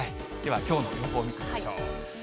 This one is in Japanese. ではきょうの予報見てみましょう。